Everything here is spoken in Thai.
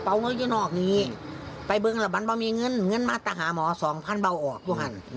ไปเบื้องก็มีเงินมาตรหาหมอสองพันเบาออกทุกคน